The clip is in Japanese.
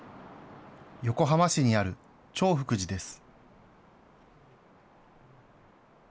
横浜市にある長福寺です。